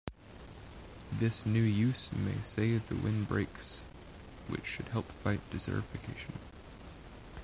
This new use may save the windbreaks which should help fight desertification.